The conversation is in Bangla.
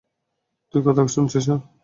তুই কথা শুনছিস না।